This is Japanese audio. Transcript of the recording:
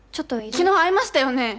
昨日会いましたよね？